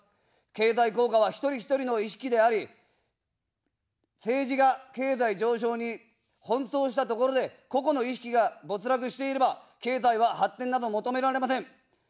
経済効果は一人一人の意識であり、政治が経済上昇に奔走したところで、個々の意識が没落していれば経済は発展など求められません。